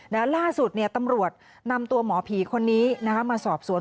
แล้วล่าสุดเนี่ยตำรวจนำตัวหมอผีคนนี้มาสอบสวน